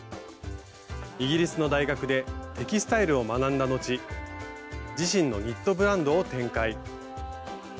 イギリスの大学でテキスタイルを学んだのち自身のニットブランドを展開。